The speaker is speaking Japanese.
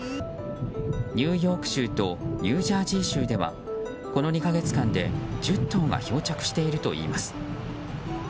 ニューヨーク州とニュージャージー州ではこの２か月間で１０頭が漂着しているといいます。